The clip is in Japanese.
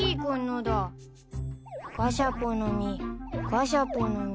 ガシャポの実ガシャポの実。